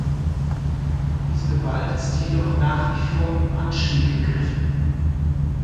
Diese Gewalt ist jedoch nach wie vor im Anstieg begriffen.